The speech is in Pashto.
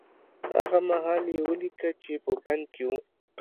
هغه مهال يې وليکه چې په بند کې و.